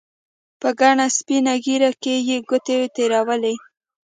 په گڼه سپينه ږيره کښې يې گوتې تېرولې.